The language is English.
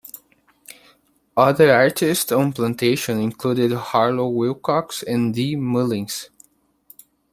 Other artists on Plantation included Harlow Wilcox and Dee Mullins.